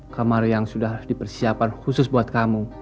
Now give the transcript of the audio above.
kamar yang sudah harus dipersiapkan khusus buat kamu